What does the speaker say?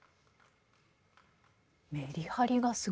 メリハリがすごいですね。